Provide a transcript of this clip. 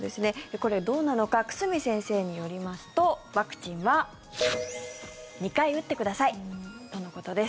これ、どうなのか久住先生によりますとワクチンは２回打ってくださいとのことです。